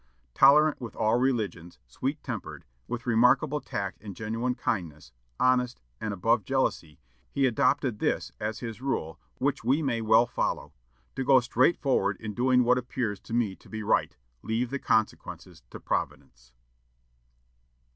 Tolerant with all religions, sweet tempered, with remarkable tact and genuine kindness, honest, and above jealousy, he adopted this as his rule, which we may well follow: "To go straight forward in doing what appears to me to be right, leaving the consequences to Providence."